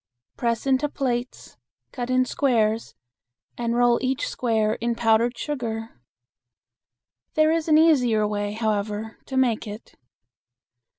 Press into plates, cut in squares, and roll each square in powdered sugar. There is an easier way, however, to make it.